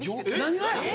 何がや？